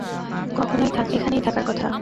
এখানেই থাকার কথা।